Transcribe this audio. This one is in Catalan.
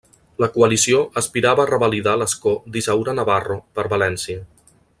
La coalició aspirava a revalidar l'escó d'Isaura Navarro per València.